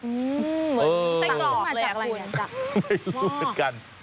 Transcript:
ไม่รู้เหมือนกัน